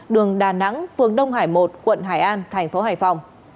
đường đà nẵng phường đông hải một quận hải an thành phố hải phòng